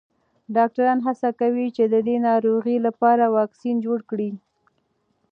ډاکټران هڅه کوي چې د دې ناروغۍ لپاره واکسین جوړ کړي.